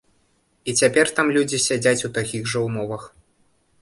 І цяпер там людзі сядзяць у такіх жа ўмовах.